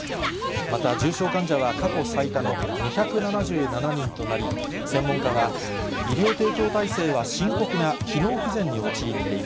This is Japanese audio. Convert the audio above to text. また、重症患者は過去最多の２７７人となり、専門家は、医療提供体制は深刻な機能不全に陥っている。